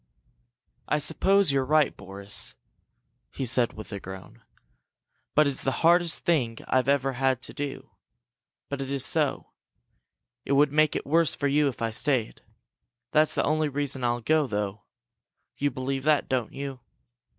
"I suppose you're right, Boris," he said, with a groan. "But it's the hardest thing I've ever had to do! But it is so. It would make it worse for you if I stayed. That's the only reason I'll go, though! You believe that, don't you?"